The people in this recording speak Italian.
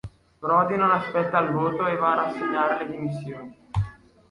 Prodi non aspetta il voto e va a rassegnare le dimissioni.